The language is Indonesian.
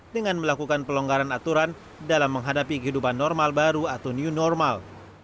dengan melakukan pelonggaran aturan dalam menghadapi kehidupan normal baru atau new normal